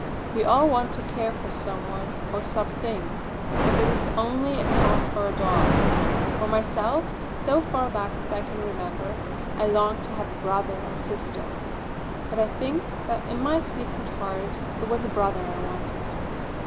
We all want to care for some one or something, if it is only a cat or a dog. For myself, so far back as I can remember, I longed to have a brother or sister, but I think that in my secret heart it was a brother I wanted.